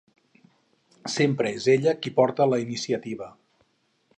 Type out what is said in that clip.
Sempre és ella qui porta la iniciativa.